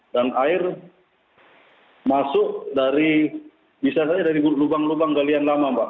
dan air masuk dari bisa saja dari lubang lubang galian lama pak